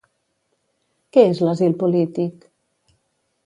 Què és l’asil polític?